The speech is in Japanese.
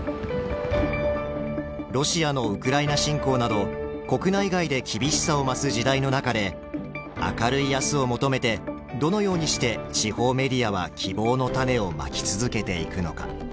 ロシアのウクライナ侵攻など国内外で厳しさを増す時代の中で明るい明日を求めてどのようにして地方メディアは希望のタネをまき続けていくのか。